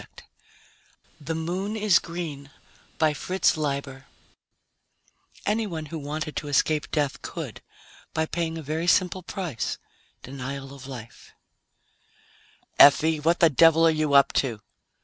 net THE MOON IS GREEN By FRITZ LEIBER Illustrated by DAVID STONE Anybody who wanted to escape death could, by paying a very simple price denial of life! "Effie! What the devil are you up to?"